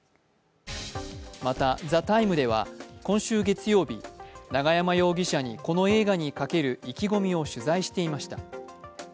また「ＴＨＥＴＩＭＥ，」では今週月曜日、永山容疑者にこの映画にかける意気込みを取材していました。